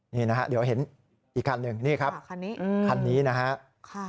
นี่นะครับเดี๋ยวเห็นอีกคันนึงคันนี้นะครับ